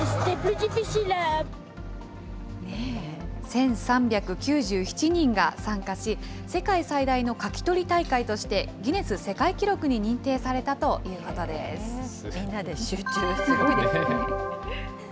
１３９７人が参加し、世界最大の書き取り大会として、ギネス世界記録に認定されたといみんなで集中、すごいですね。